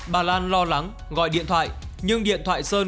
bà lan lo lắng gọi điện thoại nhưng điện thoại sơn